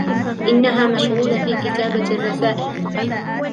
إنها مشغولة في كتابة الرسائل.